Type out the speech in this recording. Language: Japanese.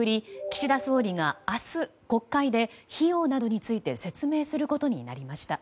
岸田総理が明日、国会で費用などについて説明することになりました。